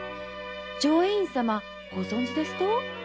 浄円院様ご存じですと？